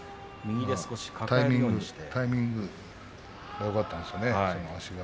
タイミングがよかったんですね。